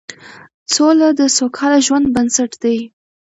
سوله د سوکاله ژوند بنسټ دی